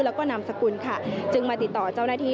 แล้วก็นามสกุลค่ะจึงมาติดต่อเจ้าหน้าที่